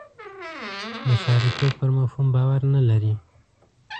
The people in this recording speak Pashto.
د ښاریتوب پر مفهوم باور نه لري.